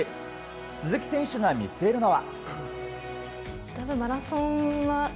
鈴木選手が見据えるのは。